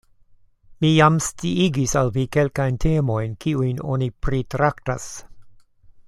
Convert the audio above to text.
Mi jam sciigis al vi kelkajn temojn, kiujn oni pritraktas.